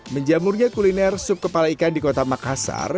menjamurnya kuliner sup kepala ikan di kota makassar